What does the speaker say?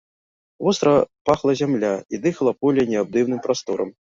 Востра пахла зямля, і дыхала поле неабдымным прасторам.